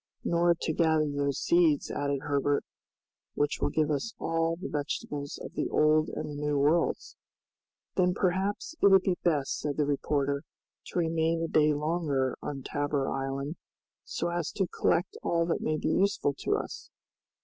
"Nor to gather those seeds," added Herbert, "which will give us all the vegetables of the Old and the New Worlds." "Then perhaps it would be best," said the reporter, "to remain a day longer on Tabor Island, so as to collect all that may be useful to us."